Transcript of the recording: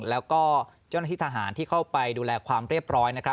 แล้วก็เจ้าหน้าที่ทหารที่เข้าไปดูแลความเรียบร้อย